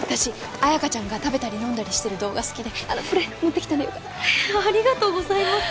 綾華ちゃんが食べたり飲んだりしてる動画好きであのこれ持ってきたんでよかったらありがとうございます